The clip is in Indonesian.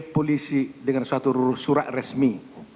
polisi dengan suatu surat resmi